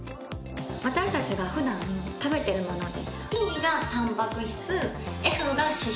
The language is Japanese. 私たちが普段食べてるもので。